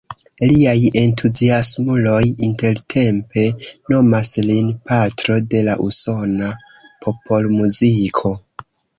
Liaj entuziasmuloj intertempe nomas lin „patro de la usona popolmuziko“.